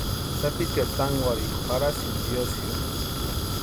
Sapicheri tankwarhikwa jarhasïnti tiosïo.